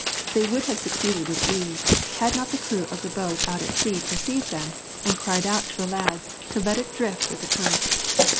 They would have succeeded with ease, had not the crew of the boat out at sea perceived them, and cried out to the lads to let it drift with the current.